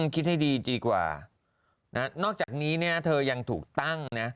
คิดให้ดีดีกว่านอกจากนี้เนี่ยเธอยังถูกตั้งนะ